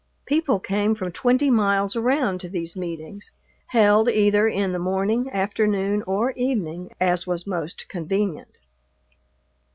People came from twenty miles around to these meetings, held either in the morning, afternoon, or evening, as was most convenient.